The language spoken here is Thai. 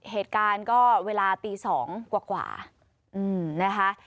เหตุการณ์ก็เวลาตี๒กว่านะคะ